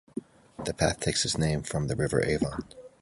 The path takes its name from the River Avon.